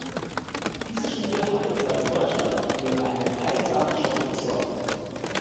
Die Pisa-Studie hat etwa in Deutschland für einen heilsamen Schock gesorgt.